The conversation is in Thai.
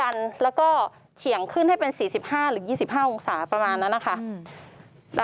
อันนี้ครั้งแรกนะคะ